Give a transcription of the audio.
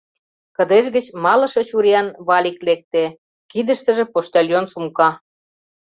Кыдеж гыч малыше чуриян Валик лекте, кидыштыже почтальон сумка.